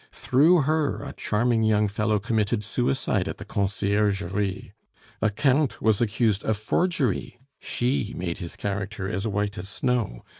Through her a charming young fellow committed suicide at the Conciergerie. A count was accused of forgery she made his character as white as snow.